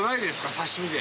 刺し身で。